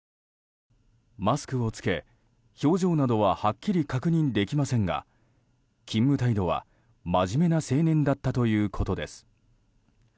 マスクを着け、表情などははっきり確認できませんが勤務態度は真面目な青年だったということです。